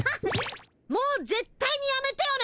もうぜっ対にやめてよね！